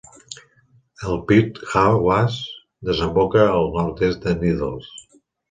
El Piute Wash desemboca al nord-oest de Needles.